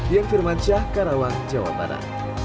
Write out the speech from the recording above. yang firman syah karawang jawabannya